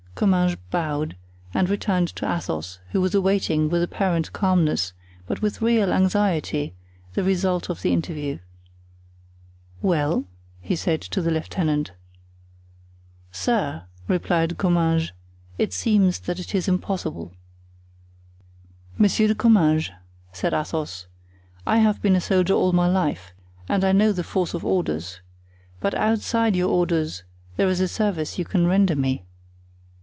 Comminges bowed, and returned to Athos, who was awaiting with apparent calmness, but with real anxiety, the result of the interview. "Well?" he said to the lieutenant. "Sir," replied Comminges, "it seems that it is impossible." "Monsieur de Comminges," said Athos, "I have been a soldier all my life and I know the force of orders; but outside your orders there is a service you can render me."